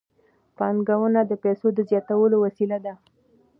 پانګونه د پیسو د زیاتولو وسیله ده.